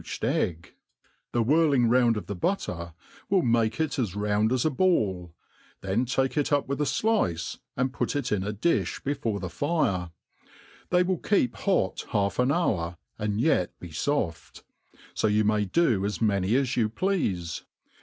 207 •m po&cbed egg ; the whtriing round of the butter will make it as round as a Mi, then take it op with a flice, and put it in a difli before the fire : they will keep hot half an hour and yet be ibft ; fo you may do as many as you pleafe.